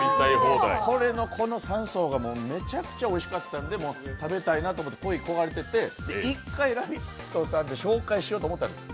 これのこの３層がめちゃくちゃおいしくて、食べたいなと思って恋焦がれてて１回、「ラヴィット！」さんで紹介しようと思ったんです。